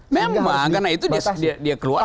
memang karena itu dia keluar